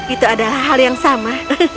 itu adalah hal yang sama